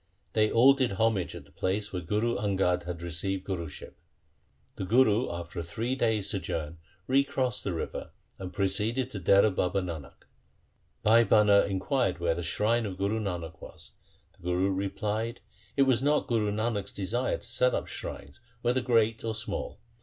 They all did homage at the place where Guru Angad had received Guruship. The Guru after a three days' sojourn re crossed the river, and proceeded to Dehra Baba Nanak. Bhai Bhana inquired where the shrine of Guru Nanak was. The Guru replied, ' It was not Guru Nanak's desire to set up shrines whether great or small.